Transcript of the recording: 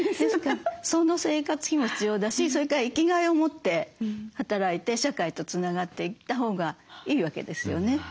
その生活費も必要だしそれから生きがいを持って働いて社会とつながっていったほうがいいわけですよね。